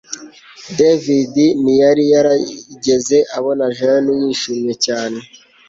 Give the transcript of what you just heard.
David ntiyari yarigeze abona Jane yishimye cyane